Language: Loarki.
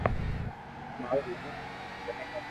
مارو نوم آنند ھي